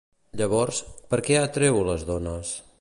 Llavors, per què atreu les dones?